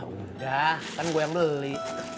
udah kan gue yang beli